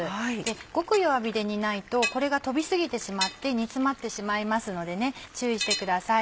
ごく弱火で煮ないとこれが飛び過ぎてしまって煮詰まってしまいますのでね注意してください。